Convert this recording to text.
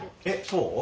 そう？